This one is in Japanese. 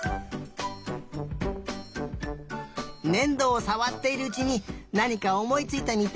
ねんどをさわっているうちになにかおもいついたみたい？